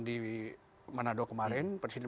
di manado kemarin presiden